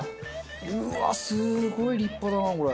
うわっすごい立派だなこれ。